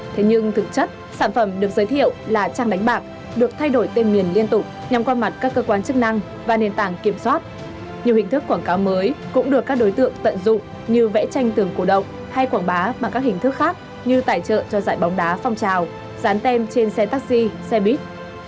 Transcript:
thế nhưng thực chất sản phẩm được giới thiệu là trang đánh bạc được thay đổi tên miền liên tục nhằm qua mặt các cơ quan chức năng và nền tảng kiểm soát nhiều hình thức quảng cáo mới cũng được các đối tượng tận dụng như vẽ tranh tường cổ động hay quảng bá bằng các hình thức khác như tài trợ cho giải bóng đá phong trào dán tem trên xe taxi xe buýt